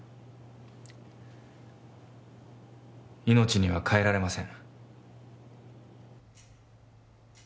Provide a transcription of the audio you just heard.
命には代えられません